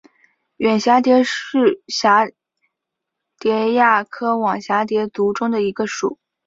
远蛱蝶属是蛱蝶亚科网蛱蝶族中的一个属。